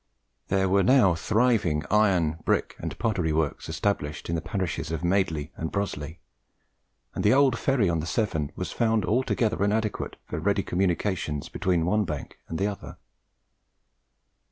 There were now thriving iron, brick, and pottery works established in the parishes of Madeley and Broseley; and the old ferry on the Severn was found altogether inadequate for ready communication between one bank and the other.